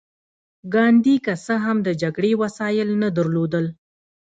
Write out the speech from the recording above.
ګاندي که څه هم د جګړې وسايل نه درلودل.